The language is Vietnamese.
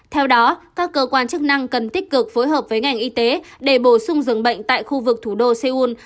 theo đó các cơ quan chức năng cần tích cực phối hợp với ngành y tế để bổ sung dường bệnh tại khu vực thủ đô seoul